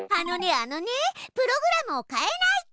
あのねプログラムを変えないと。